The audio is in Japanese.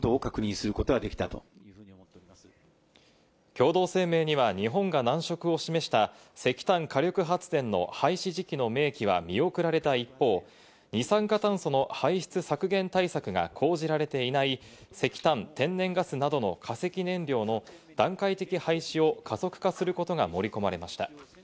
共同声明には日本が難色を示した石炭火力発電の廃止時期の明記は見送られた一方、二酸化炭素の排出削減対策が講じられていない石炭・天然ガスなどの化石燃料の段階的廃止を加速化することが盛り込まれました。